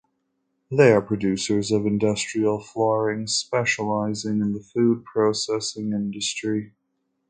They are producers of industrial flooring, specializing in the food processing industry.